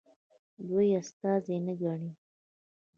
دوی یې استازي نه ګڼي.